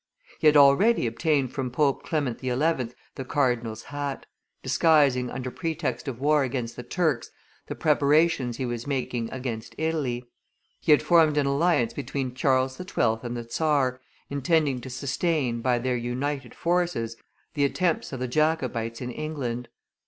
He had already obtained from Pope Clement XI. the cardinal's hat, disguising under pretext of war against the Turks the preparations he was making against Italy; he had formed an alliance between Charles XII. and the czar, intending to sustain, by their united forces, the attempts of the Jacobites in England.